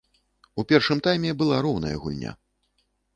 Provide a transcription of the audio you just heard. У першым тайме была роўная гульня.